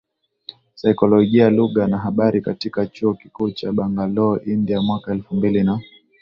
Saikolojia Lugha na Habari katika Chuo Kikuu cha BangaloreIndiaMwaka elfu mbili na